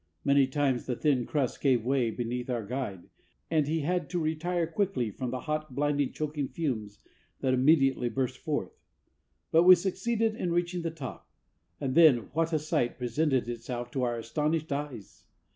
Many times the thin crust gave way beneath our guide, and he had to retire quickly from the hot, blinding, choking fumes that immediately burst forth. But we succeeded in reaching the top, and then what a sight presented itself to our astonished eyes!